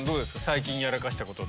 最近やらかしたこと。